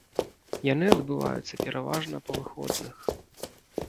Яны адбываюцца пераважна па выходных.